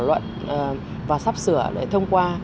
và được thảo luận và sắp sửa để thông qua